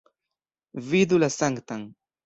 Vidu la Sanktan!